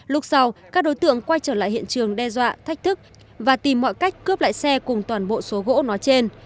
lúc sau các đối tượng quay trở lại hiện trường đe dọa thách thức và tìm mọi cách cướp lại xe cùng toàn bộ số gỗ nói trên